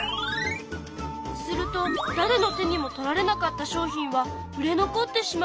するとだれの手にも取られなかった商品は売れ残ってしまうの。